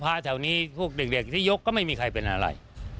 แถวนี้พวกเด็กที่ยกก็ไม่มีใครเป็นอะไร